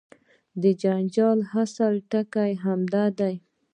د جنجال اصلي ټکی همدا دی.